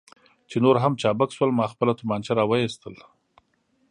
چې نور هم چابک شول، ما خپله تومانچه را وایستل.